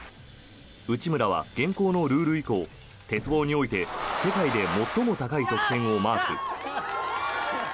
内村は現行のルール以降鉄棒において世界で最も高い得点をマーク。